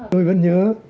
tôi vẫn nhớ